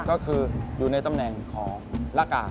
ก็คืออยู่ในตำแหน่งของละกาก